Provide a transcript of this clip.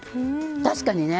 確かにね。